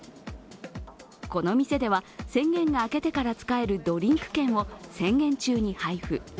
この店では宣言が明けてから使えるドリンク券を宣言中に配布。